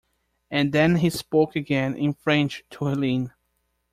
And then he spoke again in French to Helene.